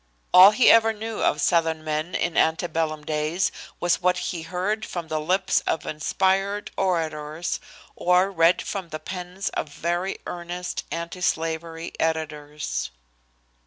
All he ever knew of Southern men in ante bellum days was what he heard from the lips of inspired orators or read from the pens of very earnest anti slavery editors.